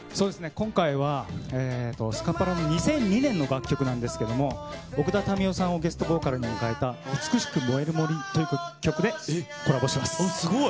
今回は、スカパラの２００２年の楽曲なんですけれども、奥田民生さんをゲストボーカルに迎えた美しく燃える森という曲ですごい。